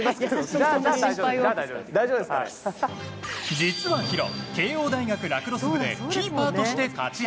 実は、弘慶應大学ラクロス部でキーパーとして活躍。